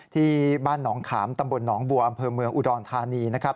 ที่บ้านหนองขามตำบลหนองบัวอำเภอเมืองอุดรธานีนะครับ